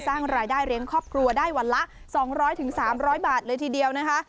สร้างรายได้เลี้ยงครอบครัวได้วันละ๒๐๐๓๐๐บาทเลยทีเดียวนะคะ